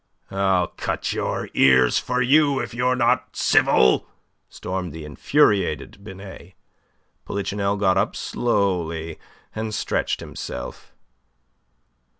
"I'll cut your ears for you if you're not civil," stormed the infuriated Binet. Polichinelle got up slowly, and stretched himself.